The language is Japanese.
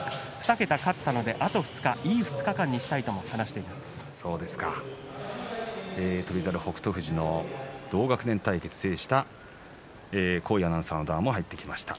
２桁勝ったので、あと２日いい２日間にしたいとも翔猿、北勝富士の同学年対決を制した談話も入ってきました。